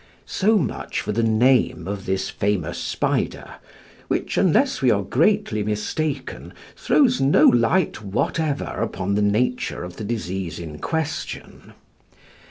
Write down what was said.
So much for the name of this famous spider, which, unless we are greatly mistaken, throws no light whatever upon the nature of the disease in question.